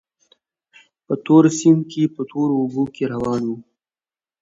په تور سیند کې په تورو اوبو کې روان وو.